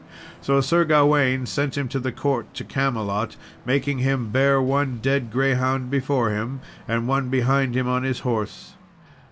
So Sir Gawain sent him to the court to Camelot, making him bear one dead greyhound before and one behind him on his horse.